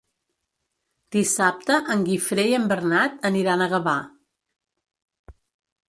Dissabte en Guifré i en Bernat aniran a Gavà.